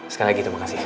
sekali lagi terima kasih